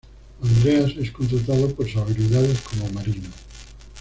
Andreas es contratado por sus habilidades como Marino.